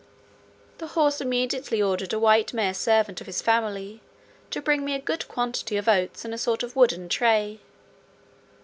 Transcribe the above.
The horse immediately ordered a white mare servant of his family to bring me a good quantity of oats in a sort of wooden tray.